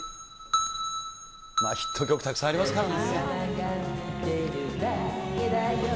ヒット曲、たくさんありますからね。